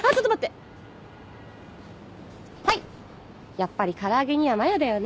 やっぱり唐揚げにはマヨだよね。